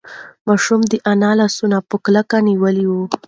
ماشوم د انا لاسونه په کلکه ونیول.